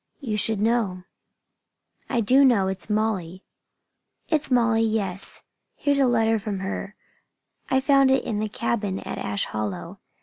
"You should know." "I do know. It's Molly!" "It's Molly, yes. Here's a letter from her. I found it in the cabin at Ash Hollow.